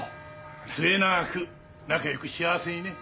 末永く仲良く幸せにね。